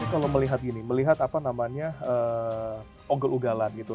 kalau melihat ini melihat apa namanya ugal ugalan gitu